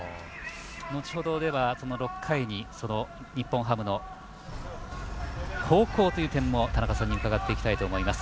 後ほど、６回に日本ハムの方向という点も田中さんに伺っていきたいと思います。